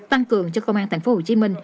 tăng cường cho công an tp hcm